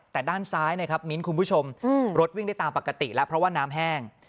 แต่ด้านซ้ายนะครับมิ้นคุณผู้ชมรถวิ่งได้ตามปกติแล้วเพราะว่าน้ำแห้ง